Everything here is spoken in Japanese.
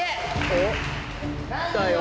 お来たよ。